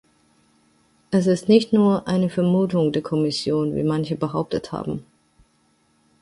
Es ist nicht nur eine Vermutung der Kommission, wie manche behauptet haben.